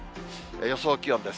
予想気温です。